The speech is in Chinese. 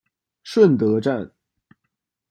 顺德站